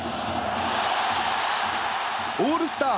オールスター